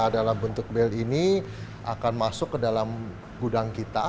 dalam bentuk bel ini akan masuk ke dalam gudang kita